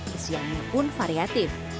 kesiangnya pun variatif